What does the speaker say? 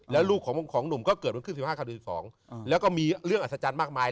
แล้วลูกของหนุ่มก็เกิดวันขึ้น๑๕คดี๑๒แล้วก็มีเรื่องอัศจรรย์มากมาย